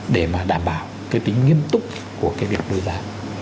để mà đảm bảo cái tính nghiêm túc của cái việc đấu giá